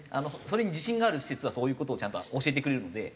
それに自信がある施設はそういう事をちゃんと教えてくれるので。